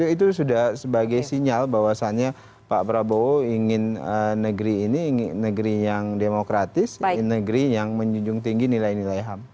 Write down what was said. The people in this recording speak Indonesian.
itu sudah sebagai sinyal bahwasannya pak prabowo ingin negeri ini ingin negeri yang demokratis ingin negeri yang menjunjung tinggi nilai nilai ham